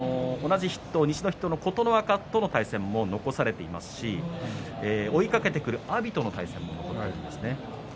明日の対戦予想ですが西の筆頭、琴ノ若との対戦も残されていますし追いかけてくる阿炎との対戦も残されていますね。